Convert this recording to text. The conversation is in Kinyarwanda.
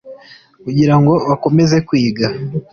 kugira ngo bakomeze kwiga